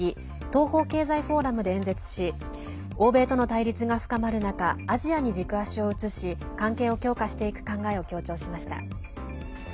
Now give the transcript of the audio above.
東方経済フォーラムで演説し欧米との対立が深まる中アジアに軸足を移し関係を強化していく考えを強調しました。